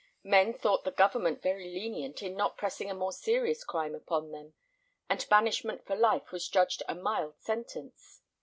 Men thought the government very lenient in not pressing a more serious crime upon them, and banishment for life was judged a mild sentence.